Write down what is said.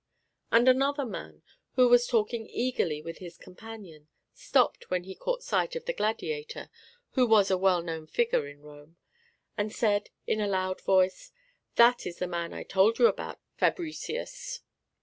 And another man, who was talking eagerly with his companion, stopped when he caught sight of the gladiator (who was a well known figure in Rome), and said, in a loud voice, "That is the man I told you about, Fabricius.